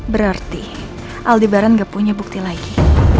berarti aldi baran gak punya bukti lagi